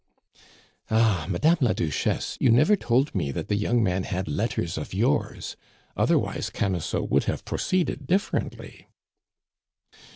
"Ah! Madame la Duchesse, you never told me that the young man had letters of yours. Otherwise Camusot would have proceeded differently..."